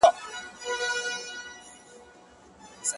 تېر پرې له جنته شي غواړي به ديدار ستا